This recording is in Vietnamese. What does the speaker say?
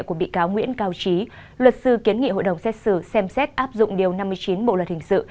của bị cáo nguyễn cao trí luật sư kiến nghị hội đồng xét xử xem xét áp dụng điều năm mươi chín bộ luật hình sự